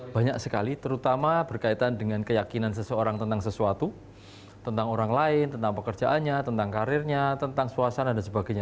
banyak sekali terutama berkaitan dengan keyakinan seseorang tentang sesuatu tentang orang lain tentang pekerjaannya tentang karirnya tentang suasana dan sebagainya